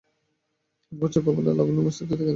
তাহার পাংশুবর্ণ কপোলে লাবণ্যের মসৃণতা দেখা দিল।